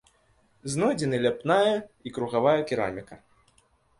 Знойдзены ляпная і кругавая кераміка.